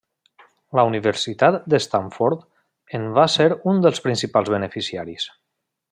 La Universitat de Stanford en va ser un dels principals beneficiaris.